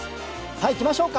さぁいきましょうか！